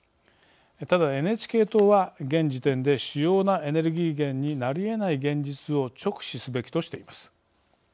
ただＮＨＫ党は、現時点で主要なエネルギー源になりえない現実を直視すべきとしています。